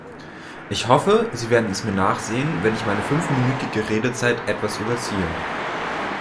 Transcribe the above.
Ich hoffe, Sie werden es mir nachsehen, wenn ich meine fünfminütige Redezeit etwas überziehe.